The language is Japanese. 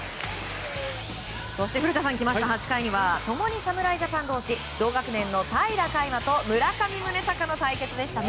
そして古田さん、８回には共に侍ジャパン同士同学年の平良海馬と村上宗隆の対決でしたね。